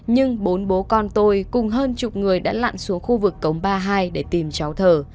nhưng bốn bố con tôi cùng hơn chục người đã lặn xuống khu vực cống ba hai để tìm cháu thở